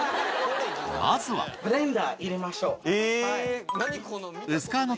まずはブレンダー入れましょう。